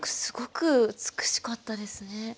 すごく美しかったですね。